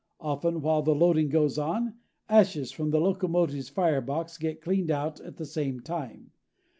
Often, while the loading goes on, ashes from the locomotive's firebox get cleaned out at the same time.